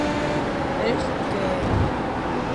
¿Pero isto que é?